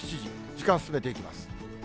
時間進めていきます。